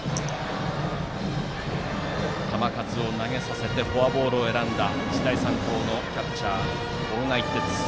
球数を投げさせてフォアボールを選んだ日大三高のキャッチャー大賀一徹。